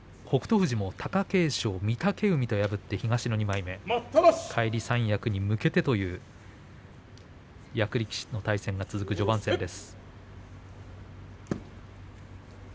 富士も貴景勝御嶽海と破って東の２枚目返り三役に向けてという役力士の対戦が続く序盤戦です。